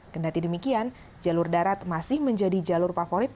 kendati demikian jalur darat masih menjadi jalur favorit